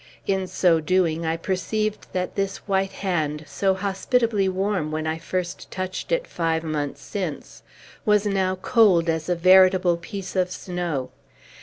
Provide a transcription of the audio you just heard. In so doing, I perceived that this white hand so hospitably warm when I first touched it, five months since was now cold as a veritable piece of snow.